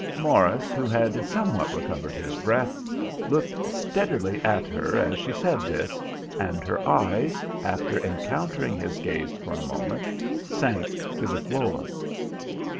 Morris, who had somewhat recovered his breath, looked steadily at her as she said this, and her eyes, after encountering his gaze for a moment, sank to the floor.